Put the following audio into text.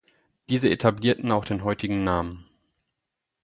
Diese etablierten auch den heutigen Namen.